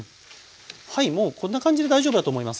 はいもうこんな感じで大丈夫だと思います。